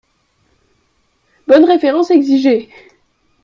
Bonnes références exigées.